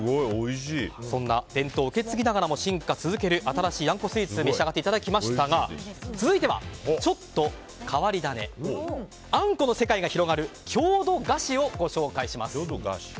そんな伝統を受け継ぎながらも進化を続ける新しいあんこスイーツを召し上がっていただきましたが続いては、ちょっと変わり種あんこの世界が広がる郷土菓子をご紹介します。